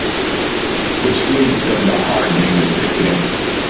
Which leads to them hardening and thickening.